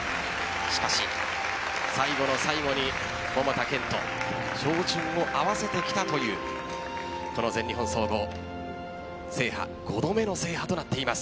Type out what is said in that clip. しかし、最後の最後に桃田賢斗照準を合わせてきたという全日本総合５度目の制覇となっています。